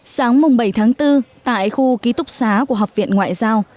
sáng bảy tháng bốn tại khu ký túc xá của học viện ngoại giao